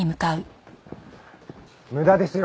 無駄ですよ。